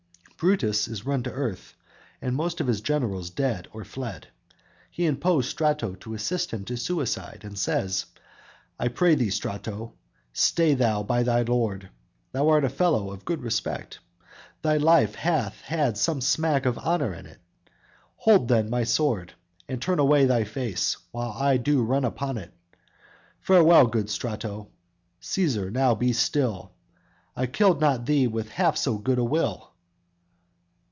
Brutus is run to earth, and most of his generals dead or fled. He implores Strato to assist him to suicide, and says: _"I pray thee, Strato, stay thou by thy lord; Thou art a fellow of good respect; Thy life hath had some smack of honor in it; Hold then my sword, and turn away thy face, While I do run upon it! Farewell, good Strato; Cæsar now be still, I killed not thee with half so good a will!"